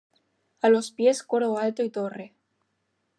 A los pies coro alto y torre.